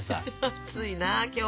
熱いな今日。